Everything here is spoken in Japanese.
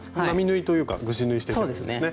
並縫いというかぐし縫いしていくんですね。